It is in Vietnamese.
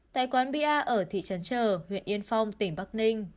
tại quán bia ở thị trấn trở huyện yên phong tỉnh bắc ninh